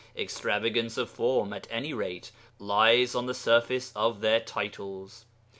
Extravagance of form, at any rate, lies on the surface of their titles.